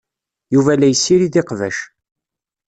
Yuba la yessirid iqbac.